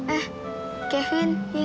eh kevin ya